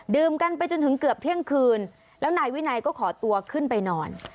กันไปจนถึงเกือบเที่ยงคืนแล้วนายวินัยก็ขอตัวขึ้นไปนอน